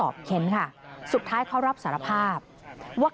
จนกระทั่งกลายเป็นว่า